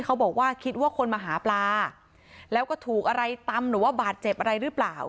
เขาบอกว่าคิดว่าคนมาหาปลาแล้วก็ถูกอะไรตำหรือว่าบาดเจ็บอะไรหรือเปล่า